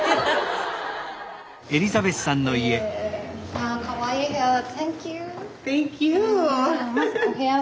あかわいい部屋だ。